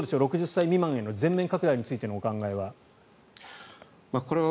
６０歳未満への全面拡大へのお考えは。